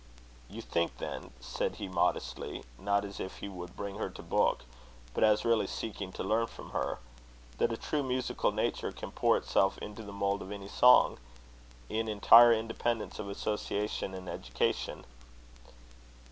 "You think, then," said he, modestly, not as if he would bring her to book, but as really seeking to learn from her, "that a true musical nature can pour itself into the mould of any song, in entire independence of association and education?"